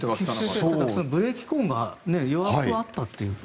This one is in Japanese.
ブレーキが弱くなったという。